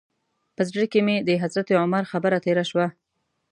په زړه کې مې د حضرت عمر خبره تېره شوه.